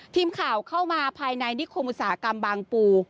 ทีมข่าวเข้ามาภายในนิคมอุตสาหกรรมบางปู